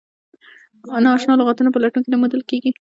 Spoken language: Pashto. نا اشنا لغتونه په لټون کې نه موندل کیږي.